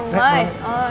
mas oh mas